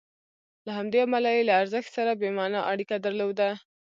له همدې امله یې له ارزښت سره بې معنا اړیکه درلوده.